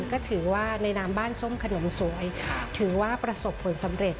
ก็ถือว่าในนามบ้านส้มขนมสวยถือว่าประสบผลสำเร็จ